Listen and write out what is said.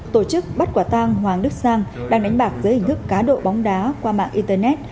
tổ chức bắt quả tang hoàng đức sang đang đánh bạc dưới hình thức cá độ bóng đá qua mạng internet